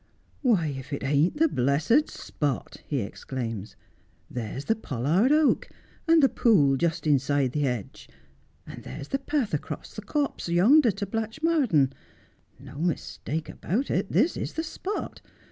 ' Why, if it ain't the blessed spot !' he exclaims. There's the pollard oak — and the pool just, inside the hedge — and there's the path across the copse yonder to Blatchmardean. No mistake about it. This is the spot.